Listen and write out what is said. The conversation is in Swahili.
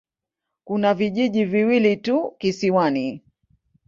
Kuna vijiji viwili tu kisiwani.